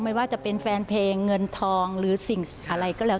ไม่ว่าจะเป็นแฟนเพลงเงินทองหรือสิ่งอะไรก็แล้ว